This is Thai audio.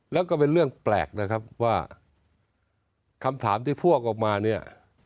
แล้วก็เป็นเรื่องแปลกนะครับว่าคำถามที่พ่วงออกมาเนี่ย